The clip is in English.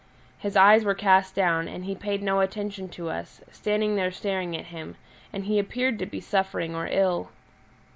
His eyes were cast down, and he paid no attention to us, standing there staring at him, and he appeared to be suffering or ill.